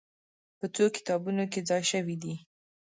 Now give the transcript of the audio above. په څو کتابونو کې ځای شوې دي.